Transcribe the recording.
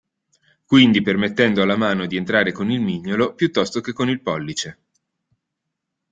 Quindi permettendo alla mano di entrare con il mignolo piuttosto che con il pollice.